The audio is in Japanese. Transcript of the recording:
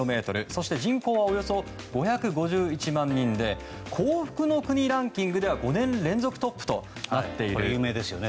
そして人口はおよそ５５１万人で幸福の国ランキングでは５年連続トップとなっています。